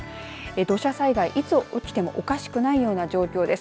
土砂災害、いつ起きてもおかしくないような状況です。